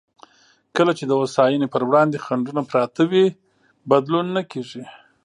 کله چې د هوساینې پر وړاندې خنډونه پراته وي، بدلون نه کېږي.